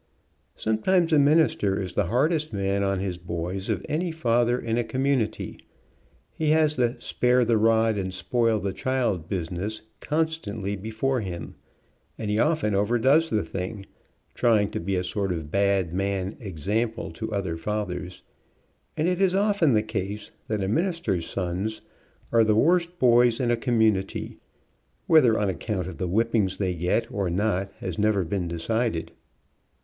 Sometimes a minister is the hardest man on his boys of any father in a community. He has the "spare the rod and spoil the child" business con stantly before him, and he often overdoes the thing, trying to be a sort of "bad man" example to other fathers, and it is often the case that a minister's sons are the worst boys in a community, whether on ac count of the whippings they get or not has never been decided.